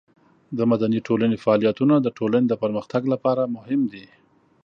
د مدني ټولنې فعالیتونه د ټولنې د پرمختګ لپاره مهم دي.